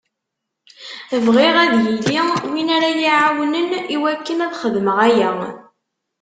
Bɣiɣ ad yili win ara yi-iɛawnen i wakken ad xedmeɣ aya.